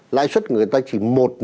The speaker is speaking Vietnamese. lãi xuất người ta chỉ một năm